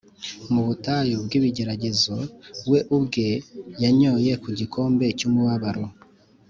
Mu butayu bw’ibigeragezo, we ubwe yanyoye ku gikombe cy’umubabaro